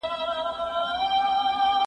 زه بايد بازار ته ولاړ سم!؟